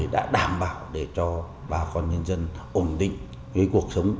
đã đảm bảo để cho bà con nhân dân ổn định cuộc sống